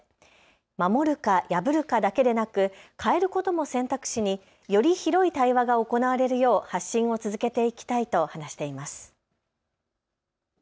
守るか破るかだけでなく変えることも選択肢に、より広い対話が行われるよう発信を続けていきたいと話しています。